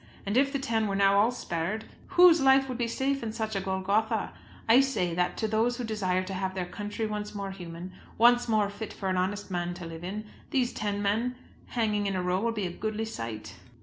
And if the ten were now all spared, whose life would be safe in such a Golgotha? I say that, to those who desire to have their country once more human, once more fit for an honest man to live in, these ten men hanging in a row will be a goodly sight."